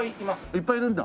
いっぱいいるんだ。